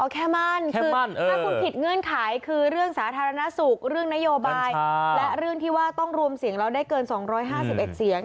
แค่มั่นคือถ้าคุณผิดเงื่อนไขคือเรื่องสาธารณสุขเรื่องนโยบายและเรื่องที่ว่าต้องรวมเสียงแล้วได้เกิน๒๕๑เสียง